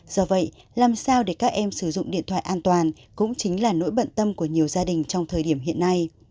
do vậy làm sao để các em sử dụng điện thoại an toàn cũng chính là nỗi bận tâm của nhiều gia đình trong thời điểm hiện nay